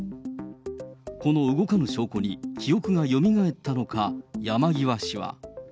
この動かぬ証拠に記憶がよみがえったのか、山際氏は。